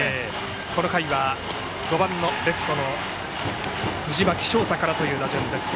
この回は５番レフトの藤巻翔汰からという打順です。